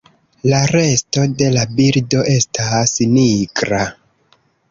La resto de la birdo estas nigra.